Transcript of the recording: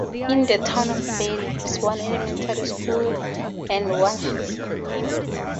The town of Berry has one elementary school and one high school.